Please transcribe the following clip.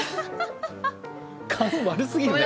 勘、悪すぎるね。